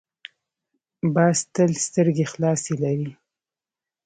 باز تل سترګې خلاصې لري